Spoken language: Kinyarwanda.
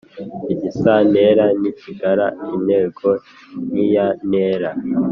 Igisantera ntikigira intego nkiya ntera